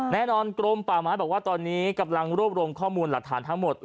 กรมป่าไม้บอกว่าตอนนี้กำลังรวบรวมข้อมูลหลักฐานทั้งหมด